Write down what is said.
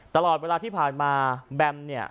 ตลอดเวลาที่ผ่านมาแบมเนี่ย